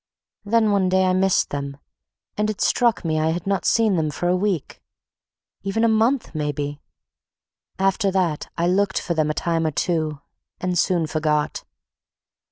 Then one day I missed them, and it struck me I had not seen them for a week, even a month, maybe. After that I looked for them a time or two and soon forgot.